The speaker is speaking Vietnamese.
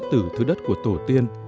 từ thứ đất của tổ tiên